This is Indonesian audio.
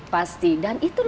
pasti dan itu